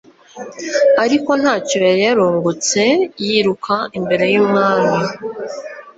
Ariko ntacyo yari yarungutse yiruka imbere y'Umwami.